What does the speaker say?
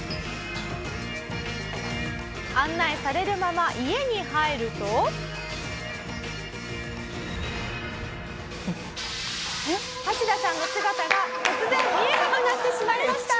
「案内されるまま「ハチダさんの姿が突然見えなくなってしまいました！」